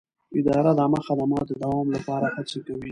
اداره د عامه خدمت د دوام لپاره هڅه کوي.